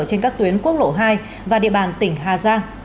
trên các tuyến quốc lộ hai và địa bàn tỉnh hà giang